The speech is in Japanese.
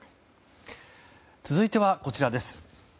続いては、こちらです。